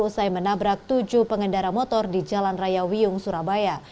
usai menabrak tujuh pengendara motor di jalan raya wiyung surabaya